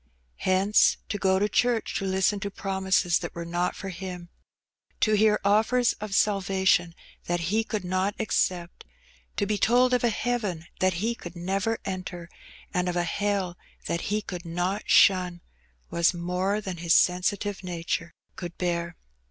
Hence, to go to church to listen to promises that were not for him, to hear offers of salvation that he could not accept, to be told of a heaven that he could never enter, and of a hell that he could not shun, was more than his sensitive nature could bear.